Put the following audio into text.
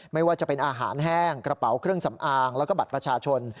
ไม่ว่าจะเป็นอาหารแห้งกระเป๋าเครื่องสำอางแล้วก็บัตรประชาชน